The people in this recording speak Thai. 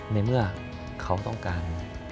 ในเมื่อเขาต้องการ